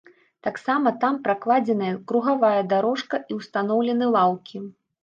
Таксама там пракладзеная кругавая дарожка і ўстаноўлены лаўкі.